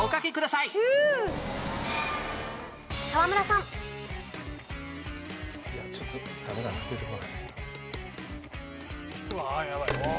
いやちょっとダメだ出てこない。